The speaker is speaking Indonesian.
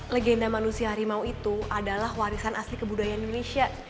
legenda manusia harimau itu adalah warisan asli kebudayaan indonesia